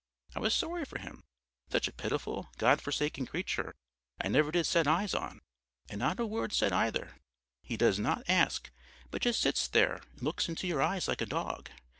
I was sorry for him; such a pitiful, God forsaken creature I never did set eyes on. And not a word said either; he does not ask, but just sits there and looks into your eyes like a dog.